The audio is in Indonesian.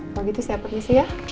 kalau gitu saya perisi ya